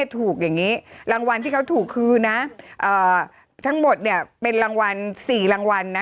ถูกอย่างนี้รางวัลที่เขาถูกคือนะทั้งหมดเนี่ยเป็นรางวัล๔รางวัลนะ